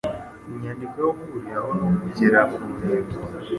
inyandiko yo guhiraho no kugera ku ntego